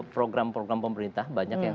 program program pemerintah banyak yang